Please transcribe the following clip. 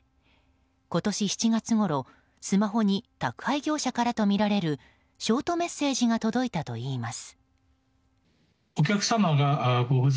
今年７月ごろ、スマホに宅配業者からとみられるショートメッセージが届いたといいます。